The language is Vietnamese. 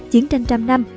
chiến tranh trăm năm